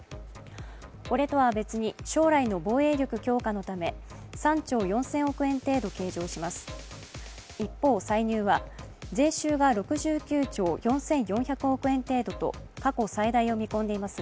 これとは別に将来の防衛力強化のため３兆４０００億円程度計上します。